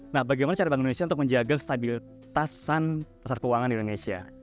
nah bagaimana cara bank indonesia untuk menjaga stabilitasan pasar keuangan di indonesia